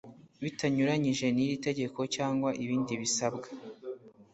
Bitanyuranije n iri tegeko cyangwa ibindi bisabwa